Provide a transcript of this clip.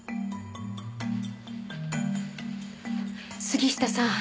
杉下さん